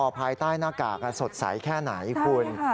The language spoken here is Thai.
ภายใต้หน้ากากสดใสแค่ไหนคุณ